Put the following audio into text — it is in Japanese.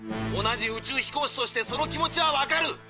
同じ宇宙飛行士としてその気持ちはわかる。